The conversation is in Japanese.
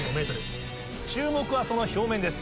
注目はその表面です。